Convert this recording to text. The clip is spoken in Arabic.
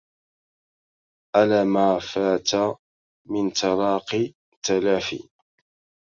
ألما فات من تلاق تلاف